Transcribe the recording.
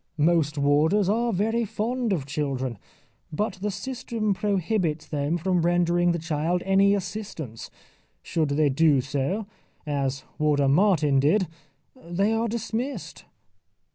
Most warders are very fond of children. But the system prohibits them from rendering the child any assistance. Should they do so, as Warder Martin did, they are dismissed.